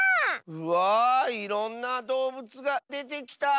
うわいろんなどうぶつがでてきた！